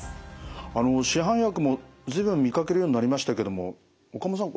あの市販薬も随分見かけるようになりましたけども岡本さん